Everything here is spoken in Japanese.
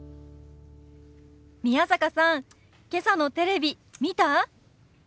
宮坂さんけさのテレビ見た？